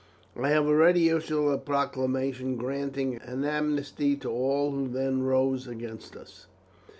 I have already issued a proclamation granting an amnesty to all who then rose against us.